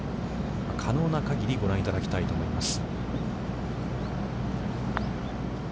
可能な限りご覧いただきたいと思います。